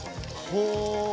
ほう！